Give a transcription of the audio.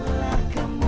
itulah kemuliaan ramadhan